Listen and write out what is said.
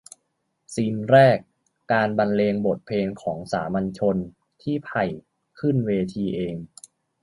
ซีนแรก การบรรเลงบทเพลงของสามัญชน ที่ไผ่ขึ้นเวทีเอง